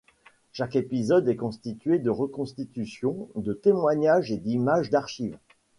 Chaque épisode est constitué de reconstitutions, de témoignages et d'images d'archive.